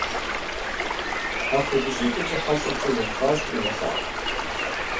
Апхуэдэ щӀыкӀэкӀэ хьэщӀэм пщӀэ зэрыхуищӀыр къигъэлъагъуэрт.